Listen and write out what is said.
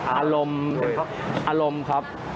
อารมณ์อารมณ์ครับ